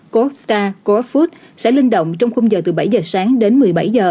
corestar corefood sẽ linh động trong khung giờ từ bảy h sáng đến một mươi bảy h